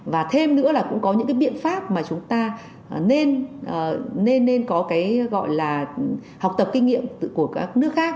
và thêm nữa là cũng có những cái biện pháp mà chúng ta nên có cái gọi là học tập kinh nghiệm của các nước khác